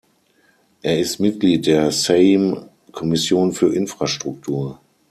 Er ist Mitglied der Sejm-Kommission für Infrastruktur.